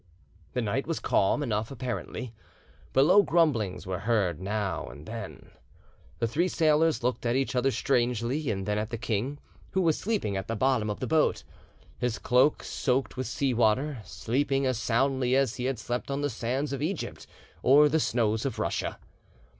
The night was calm enough apparently, but low grumblings were heard now and then. The three sailors looked at each other strangely and then at the king, who was sleeping at the bottom of the boat, his cloak soaked with sea water, sleeping as soundly as he had slept on the sands of Egypt or the snows of Russia.